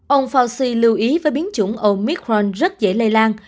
ông fauci lưu ý với biến chủng omicron rất dễ lây lan